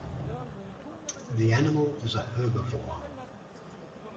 The animal is a herbivore.